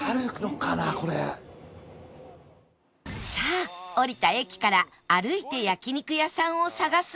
さあ降りた駅から歩いて焼肉屋さんを探すのですが